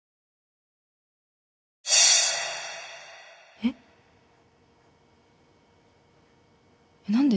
えっ何で？